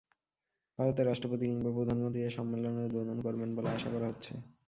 ভারতের রাষ্ট্রপতি কিংবা প্রধানমন্ত্রী এ সম্মেলনের উদ্বোধন করবেন বলে আশা করা হচ্ছে।